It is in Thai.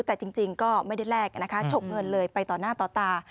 แต่จริงก็ไม่ได้แลกนะคะฉกเงินเลยไปต่อหน้าต่อตา